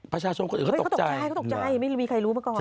ประชาชนคนอื่นก็ตกใจเขาตกใจไม่มีใครรู้เมื่อก่อน